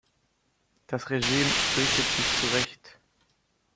Das Regime fürchtet sich zu Recht.